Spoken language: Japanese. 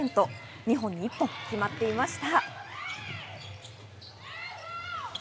２本に１本決まっていました。